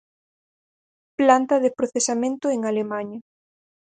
Planta de procesamento en Alemaña.